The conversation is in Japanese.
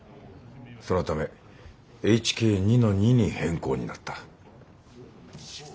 そのためＨＫ２−２に変更になった。